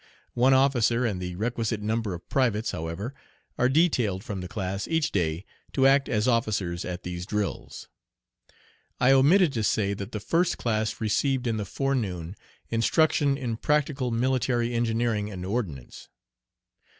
One officer and the requisite number of privates, however, are detailed from the class each day to act as officers at these drills. I omitted to say that the first class received in the forenoon instruction in practical military engineering and ordnance.